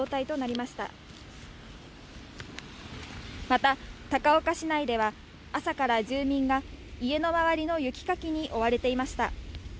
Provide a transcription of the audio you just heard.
また、高岡市内では朝から住民が、家の周りの雪かきに追われていました。